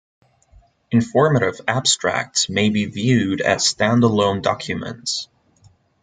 Informative abstracts may be viewed as standalone documents.